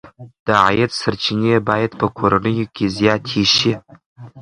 د عاید سرچینې باید په کورنیو کې زیاتې شي.